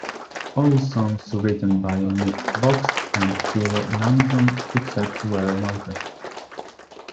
All songs written by Mick Box and Phil Lanzon, except where noted.